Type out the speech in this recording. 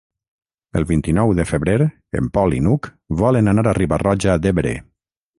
El vint-i-nou de febrer en Pol i n'Hug volen anar a Riba-roja d'Ebre.